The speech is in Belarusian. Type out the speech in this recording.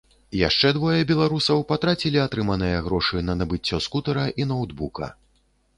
Яшчэ двое беларусаў патрацілі атрыманыя грошы на набыццё скутэра і ноўтбука.